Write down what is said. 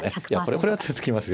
これは突きますよ。